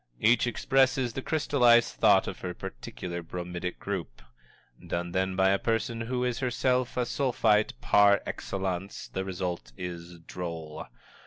Each expresses the crystallized thought of her particular bromidic group. Done, then, by a person who is herself a Sulphite par excellence, the result is droll.